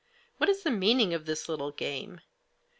What is the meaning of this little game